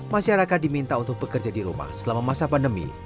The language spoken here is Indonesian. masyarakat diminta untuk bekerja di rumah selama masa pandemi